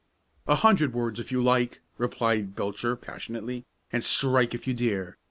"A hundred words if you like," replied Belcher, passionately, "and strike if you dare!